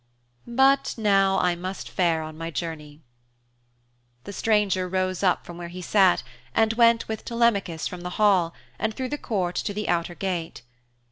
But now I must fare on my journey.' The stranger rose up from where he sat and went with Telemachus from the hall and through the court and to the outer gate.